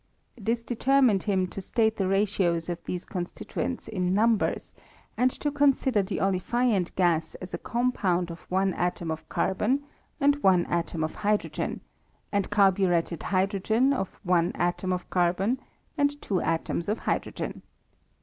This determined him to state the ratios of these constituents in numbers, and to consider the olefiant gas as a compound of one atom of carbon and one atom of hydrogen ; and carburetted hydrogen of one atom of carbon and two atoms of hydrogen.